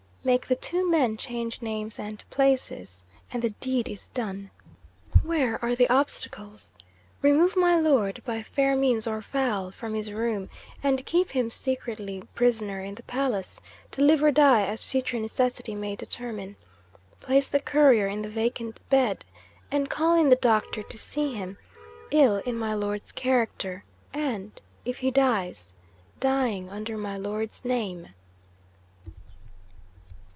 Make the two men change names and places and the deed is done! Where are the obstacles? Remove my Lord (by fair means or foul) from his room; and keep him secretly prisoner in the palace, to live or die as future necessity may determine. Place the Courier in the vacant bed, and call in the doctor to see him ill, in my Lord's character, and (if he dies) dying under my Lord's name!'